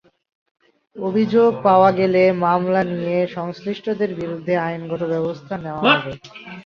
অভিযোগ পাওয়া গেলে মামলা নিয়ে সংশ্লিষ্টদের বিরুদ্ধে আইনগত ব্যবস্থা নেওয়া হবে।